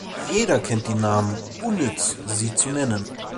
Jeder kennt die Namen, unnütz, sie zu nennen.